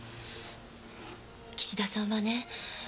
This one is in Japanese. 岸田さんはね